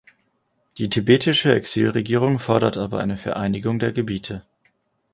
Die Tibetische Exilregierung fordert aber eine Vereinigung der Gebiete.